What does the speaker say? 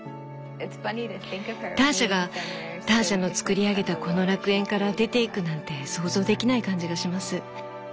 ターシャがターシャのつくり上げたこの楽園から出ていくなんて想像できない感じがします。